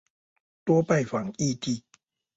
多拜訪異地